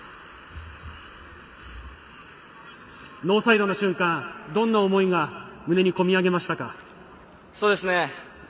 ノーサイドの瞬間どんな思いが胸にこみ上げましたか？